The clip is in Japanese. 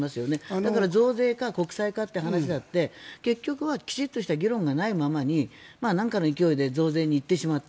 だから増税か国債かという話だって結局はきちんとした議論がないままに何かの勢いで増税に行ってしまった。